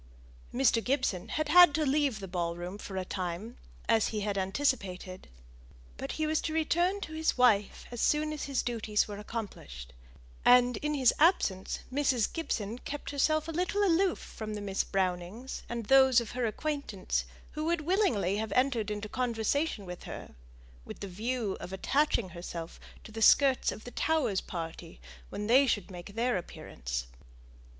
Mr. Gibson had had to leave the ball room for a time, as he had anticipated, but he was to return to his wife as soon as his duties were accomplished; and, in his absence, Mrs. Gibson kept herself a little aloof from the Miss Brownings and those of her acquaintance who would willingly have entered into conversation with her, with the view of attaching herself to the skirts of the Towers' party, when they should make their appearance.